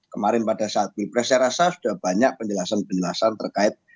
kemarin pada saat pilpres saya rasa sudah banyak penjelasan penjelasan terkait